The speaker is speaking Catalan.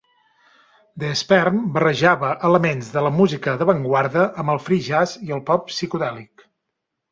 The Sperm barrejava elements de la música d'avantguarda amb el free jazz i el pop psicodèlic.